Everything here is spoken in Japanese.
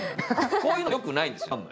こういうのよくないんですよね。